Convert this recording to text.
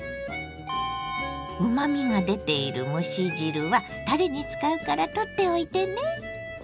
うまみが出ている蒸し汁はたれに使うから取っておいてね。